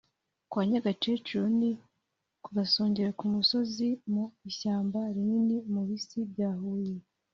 Kwa Nyagakecuru ni ku gasongero k’umusozi mu ishyamba rinini mu Bisi bya Huye